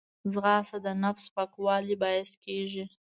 ځغاسته د نفس پاکوالي باعث کېږي